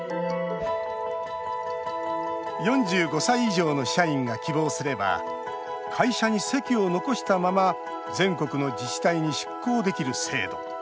４５歳以上の社員が希望すれば会社に籍を残したまま全国の自治体に出向できる制度。